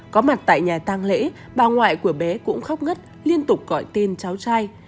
có mặt tại nhà tàng lễ bà ngoại của bé cũng khóc ngất liên tục gọi tên cháu trai